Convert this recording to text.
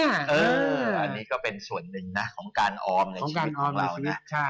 อันนี้ก็เป็นส่วนหนึ่งนะของการออมในชีวิตของเรานะ